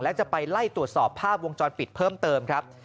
และจะไปไล่ตรวจสอบภาพวงจรปิดเพิ่มเติมครับ